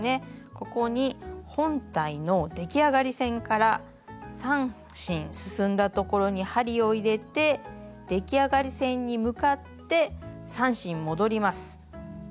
ここに本体の出来上がり線から３針進んだところに針を入れて出来上がり線に向かって３針戻ります。